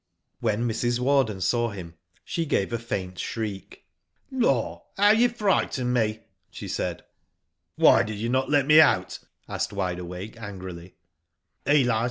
When Mrs. Warden saw him she gave a faint shriek. *'Lor, how you frightened me," she said. "Why did you not let me out?" asked Wide Awake, angrily.